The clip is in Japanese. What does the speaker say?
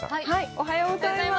おはようございます。